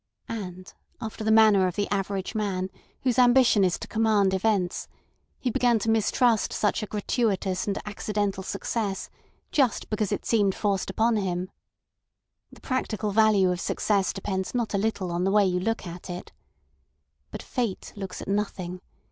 And after the manner of the average man, whose ambition is to command events, he began to mistrust such a gratuitous and accidental success—just because it seemed forced upon him. The practical value of success depends not a little on the way you look at it. But Fate looks at nothing.